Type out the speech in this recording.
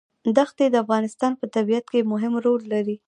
دښتې د افغانستان په طبیعت کې مهم رول لري.